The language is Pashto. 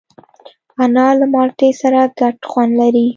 انار له مالټې سره ګډ خوند لري.